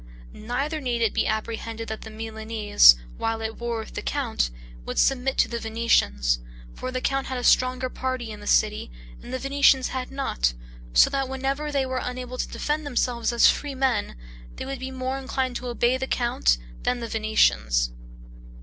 Neither need it be apprehended that the Milanese, while at war with the count, would submit to the Venetians; for the count had a stronger party in the city, and the Venetians had not, so that whenever they were unable to defend themselves as freemen, they would be more inclined to obey the count than the Venetians.